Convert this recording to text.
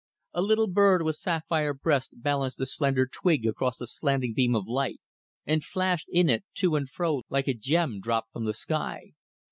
A little bird with sapphire breast balanced a slender twig across a slanting beam of light, and flashed in it to and fro like a gem dropped from the sky.